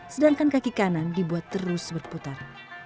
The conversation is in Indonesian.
sedangkan kaki kanan dibuat terus berputar